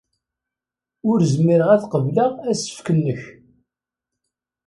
Ur zmireɣ ara ad qebleɣ asefk-nnek.